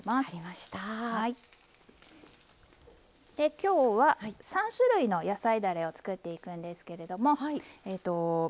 きょうは３種類の野菜だれを作っていくんですけれども。